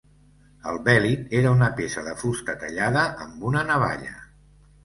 El bèlit era una peça de fusta tallada amb una navalla.